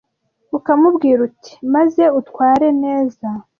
ukamubwira uti: “maze utware neza”